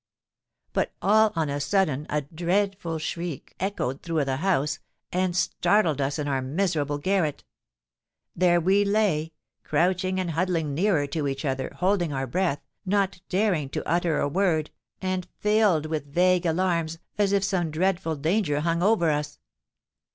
But all on a sudden a dreadful shriek echoed through the house, and startled us in our miserable garret. There we lay—crouching and huddling nearer to each other, holding our breath, not daring to utter a word, and filled with vague alarms, as if some dreadful danger hung over us.